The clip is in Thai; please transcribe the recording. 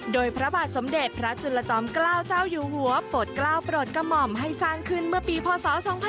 โดยพระบาทสมเด็จพระจุลจอมเกล้าเจ้าอยู่หัวโปรดกล้าวโปรดกระหม่อมให้สร้างขึ้นเมื่อปีพศ๒๕๕๘